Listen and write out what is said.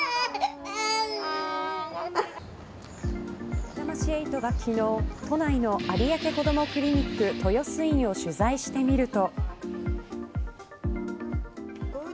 めざまし８が昨日都内の有明こどもクリニック豊洲院を取材してみると。